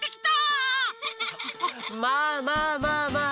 まあまあまあまあ